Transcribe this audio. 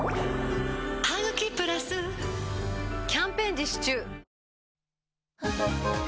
「ハグキプラス」キャンペーン実施中